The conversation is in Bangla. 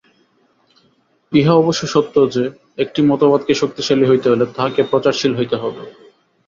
ইহা অবশ্য সত্য যে, একটি মতবাদকে শক্তিশালী হইতে হইলে তাহাকে প্রচারশীল হইতে হইবে।